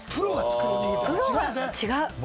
プロは違う。